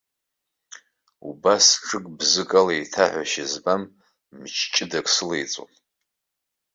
Убас ҿык-бзык ала еиҭаҳәашьа змам мыч ҷыдак сылеиҵон.